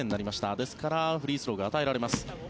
ですから、フリースローが与えられます。